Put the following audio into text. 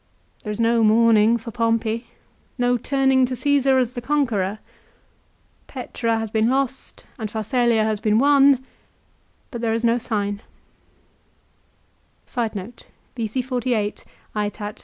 There is no mourning for Pompey, no turning to Caesar as the conqueror. Petra has been lost and Pharsalia has been won, but there is no sign.